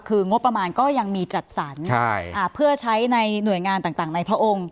คืองบประมาณก็ยังมีจัดสรรเพื่อใช้ในหน่วยงานต่างในพระองค์